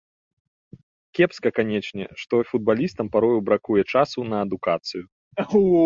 Кепска, канечне, што футбалістам парою бракуе часу на адукацыю.